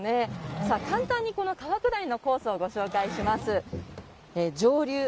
簡単に、川下りのコースをご紹介します。